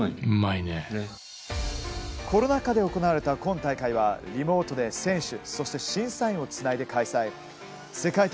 コロナ禍で行われた今大会はリモートで選手、そして審査員をつないで開催されました。